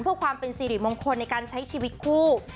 เพื่อความเป็นสิริมงคลในการใช้ชีวิตคู่